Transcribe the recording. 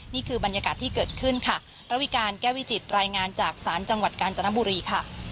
นี่คือบรรยากาศที่เกิดขึ้นค่ะระวิการแก้วิจิตรายงานจากศาลจังหวัดกาญจนบุรีค่ะ